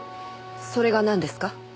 それがなんですか？